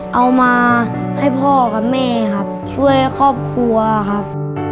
เอามาให้พ่อกับแม่ครับช่วยครอบครัวครับ